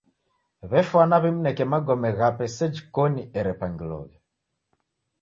W'efwana w'imneke magome ghape seji koni erepangiloghe.